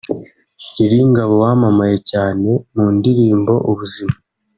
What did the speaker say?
Lil Ngabo wamamaye cyane mu ndirimbo ‘Ubuzima’